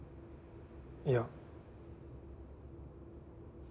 いや。